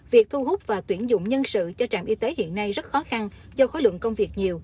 việc thu hút và tuyển dụng nhân sự cho trạm y tế hiện nay rất khó khăn do khối lượng công việc nhiều